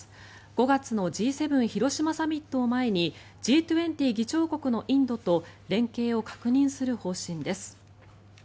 ５月のＧ７広島サミットを前にＧ２０議長国のインドと連携を確認する方針です。